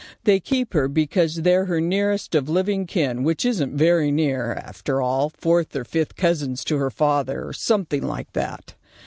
They keep her because they're her nearest of living kin, which isn't very near, after all; fourth or fifth cousins to her father, or something like that.